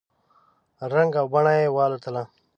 رنګ او بڼه یې والوتله !